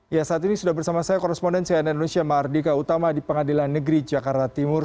ya saat ini sudah bersama saya korespondensi ann indonesia mardika utama di pengadilan negeri jakarta timur